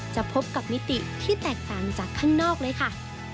จะพบกับมิติที่แตกต่างจากข้างนอกเลยค่ะ